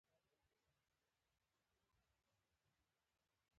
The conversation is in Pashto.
د ده په مشرۍ کې غیر مسلکي دوره پای ته رسیدلې ده